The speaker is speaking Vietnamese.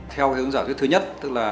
theo hướng dạo thứ nhất